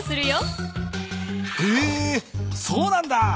へえそうなんだ！